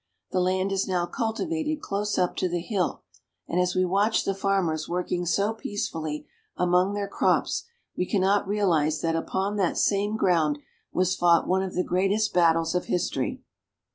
The land is now cultivated close up to the hill, and as we watch the farmers working so peacefully among their crops, we cannot realize that upon that same ground was fought one of the greatest battles of history.